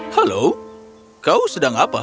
halo kau sedang apa